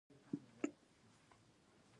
د افغاني برنډ پیژندل مهم دي